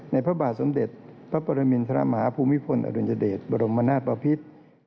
พระบาทสมเด็จพระปรมินทรมาฮภูมิพลอดุลยเดชบรมนาศปภิษ